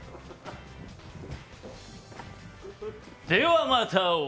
では、また会おう。